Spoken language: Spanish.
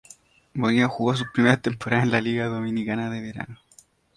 Bonilla jugó sus primeras temporadas en la Liga Dominicana de Verano.